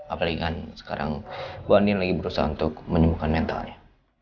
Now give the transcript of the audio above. apalagi kan sekarang bu ani lagi berusaha untuk menyembuhkan mentalnya